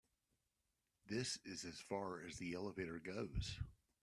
This is as far as the elevator goes.